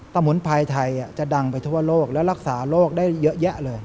สมุนไพรไทยจะดังไปทั่วโลกและรักษาโรคได้เยอะแยะเลย